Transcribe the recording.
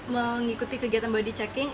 mengikuti kegiatan body checking